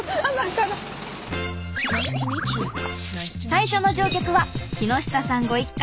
最初の乗客は木下さんご一家。